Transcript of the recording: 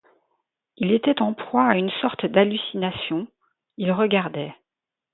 Il était en proie à une sorte d’hallucination ; il regardait.